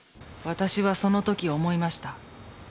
私はその時思いました。